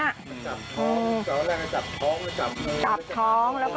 จับท้องจับท้องแล้วก็